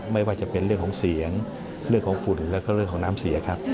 ไม่ว่าจะเป็นเรื่องของเสียงเรื่องของฝุ่นแล้วก็เรื่องของน้ำเสียครับ